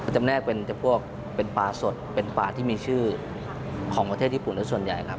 จำแนกเป็นพวกเป็นปลาสดเป็นปลาที่มีชื่อของประเทศญี่ปุ่นและส่วนใหญ่ครับ